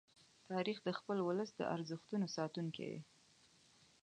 تاریخ د خپل ولس د ارزښتونو ساتونکی دی.